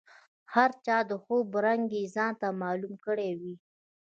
هر چا د خوب رګ یې ځانته معلوم کړی وي.